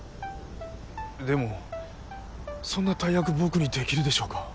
でもそんな大役僕にできるでしょうか？